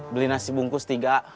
beli nasi bungkus tiga